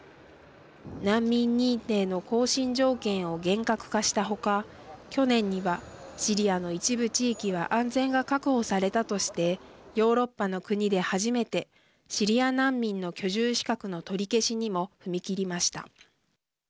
難民認定の更新条件を厳格化した他去年にはシリアの一部地域は安全が確保されたとしてヨーロッパの国で初めてシリア難民の居住資格の取り消しにも踏み切りました。